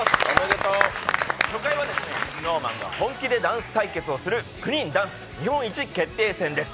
初回はＳｎｏｗＭａｎが本気でダンス対決をする９人ダンス日本一決定戦です。